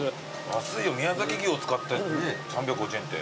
安いよ宮崎牛を使って３５０円って。